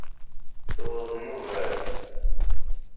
Tewweḍ-d nnuba-k!